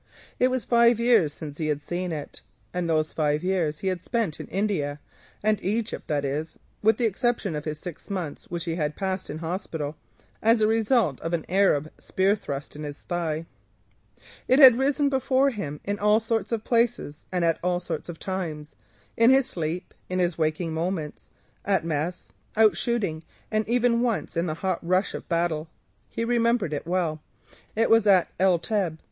Five years had gone since he saw it, and those five years he spent in India and Egypt, that is with the exception of six months which he passed in hospital—the upshot of an Arab spear thrust in the thigh. It had risen before him in all sorts of places and at all sorts of times; in his sleep, in his waking moments, at mess, out shooting, and even once in the hot rush of battle. He remembered it well—it was at El Teb.